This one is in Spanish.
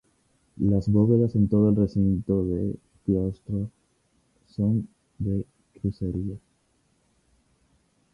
Las bóvedas en todo el recinto del claustro son de crucería.